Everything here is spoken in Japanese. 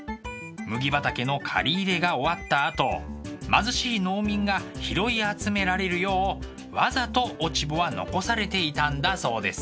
麦畑の刈り入れが終わったあと貧しい農民が拾い集められるようわざと落ち穂は残されていたんだそうです。